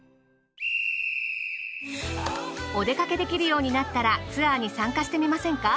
お出掛けできるようになったらツアーに参加してみませんか？